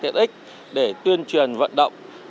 tiện ích để tuyên truyền vận động